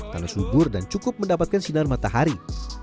karena subur dan cukup mendapatkan sinar matahari